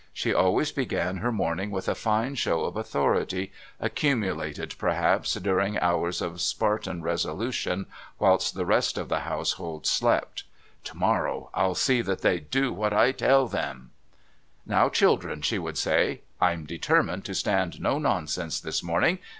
She always began her morning with a fine show of authority, accumulated, perhaps, during hours of Spartan resolution whilst the rest of the household slept. "To morrow I'll see that they do what I tell them " "Now, children," she would say, "I'm determined to stand no nonsense this morning.